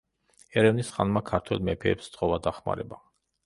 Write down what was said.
ერევნის ხანმა ქართველ მეფეებს სთხოვა დახმარება.